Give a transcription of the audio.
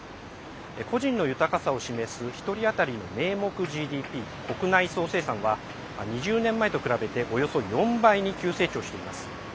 個人の豊かさを示す１人当たりの名目ＧＤＰ＝国内総生産は２０年前と比べておよそ４倍に急成長しています。